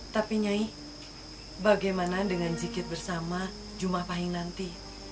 tapi nyai bagaimana dengan zikid bersama jumah pahing nanti